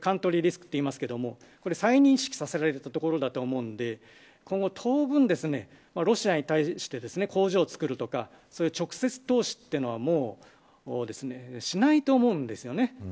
これはカントリーリスクといいますが再認識させられたところだと思うので今後当分ロシアに対して工場をつくるとか直接投資というのはもうしないと思うんですよね。